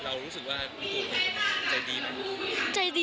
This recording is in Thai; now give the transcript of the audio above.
เรารู้สึกว่าลุงตู่ใจดีไหม